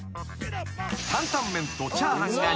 ［タンタンメンとチャーハンが］